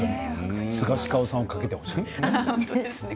スガシカオさんかけてほしい。